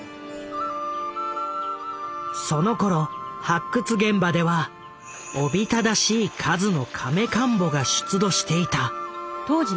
そのころ発掘現場ではおびただしい数の甕棺墓が出土していた。